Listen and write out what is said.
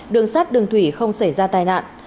đường sát đường thủy không xảy ra tai nạn